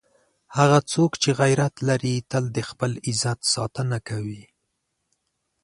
هغه څوک چې غیرت لري، تل د خپل عزت ساتنه کوي.